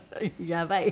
やばい？